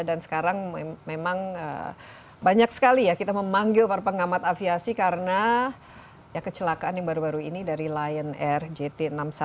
dan sekarang memang banyak sekali kita memanggil para pengamat aviasi karena kecelakaan yang baru baru ini dari lion air jt enam ratus sepuluh